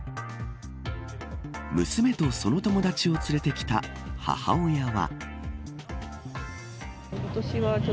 娘とその友達を連れてきた母親は。